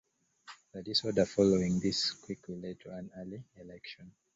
The disorder following this quickly led to an early election.